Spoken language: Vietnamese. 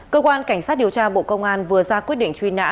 cơ quan cảnh sát điều tra bộ công an vừa ra quyết định truy nã